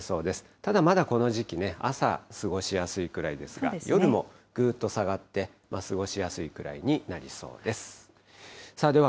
ただ、まだこの時期ね、朝、過ごしやすいくらいですが、夜もぐっと下がって、過ごしやすいくらいになりそうです。